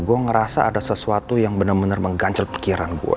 gue ngerasa ada sesuatu yang benar benar menggancel pikiran gue